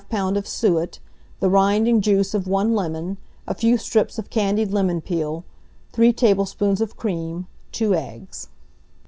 of suet, the rind and juice of 1 lemon, a few strips of candied lemon peel, 3 tablespoonfuls of cream, 2 eggs.